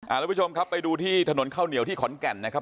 ทุกผู้ชมครับไปดูที่ถนนข้าวเหนียวที่ขอนแก่นนะครับ